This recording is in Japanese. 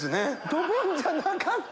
ドボンじゃなかった！